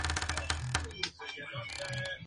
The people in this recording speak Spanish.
Tuvo dos hijos, Hans y Michael.